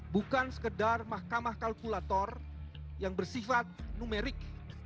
bukan sekedar mahkamah kalkulator yang bersifat numerik